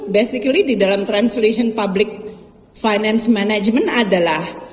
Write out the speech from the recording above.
basically di dalam translation public finance management adalah